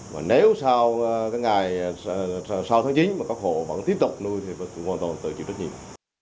và nếu sau cái ngày sau tháng chín mà các hộ vẫn tiếp tục nuôi thì tự hoàn toàn tự chịu trách nhiệm